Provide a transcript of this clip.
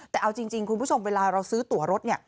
แต่เอาจริงคุณผู้ชมเวลาเราซื้อตัวรถ